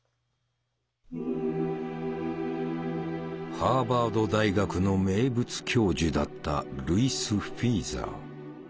ハーバード大学の名物教授だったルイス・フィーザー。